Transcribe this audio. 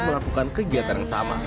melakukan kegiatan yang sama